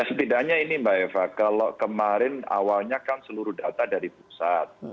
setidaknya ini mbak eva kalau kemarin awalnya kan seluruh data dari pusat